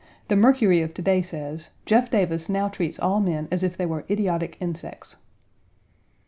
The Mercury of to day says, "Jeff Davis now treats all men as if they were idiotic insects."